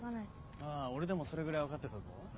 あ俺でもそれぐらい分かってたぞ。